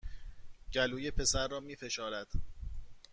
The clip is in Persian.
گلوی پسر را می فشارد